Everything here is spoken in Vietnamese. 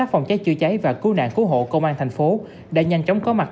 phòng cháy chữa cháy và cứu nạn cứu hộ công an tp hcm đã nhanh chóng có mặt